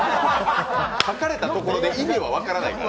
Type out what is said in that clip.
書かれたところで意味が分からないから。